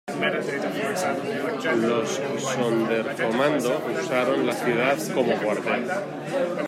Los "Sonderkommando" usaron la ciudad como cuartel.